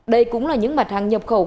đây cũng là những mặt hàng nhập khẩu